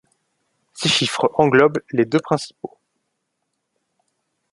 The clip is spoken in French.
Ces chiffres englobent les deux principaux.